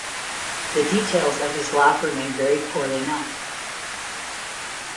The details of his life remain very poorly known.